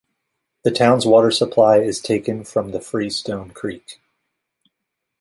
The town's water supply is taken from the Freestone Creek.